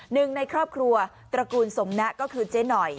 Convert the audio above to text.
หนึ่งในครอบครัวตระกูลสมนะก็คือเจ๊หน่อย